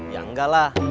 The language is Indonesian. ya enggak lah